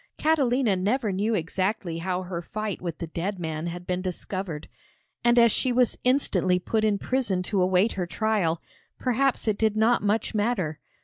Catalina never knew exactly how her fight with the dead man had been discovered, and as she was instantly put in prison to await her trial, perhaps it did not much matter.